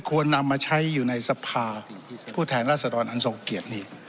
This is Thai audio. ควรนำมาใช้อยู่ในสภาพูดแทนรัศดรรณ์อันส่งเกียรตินี้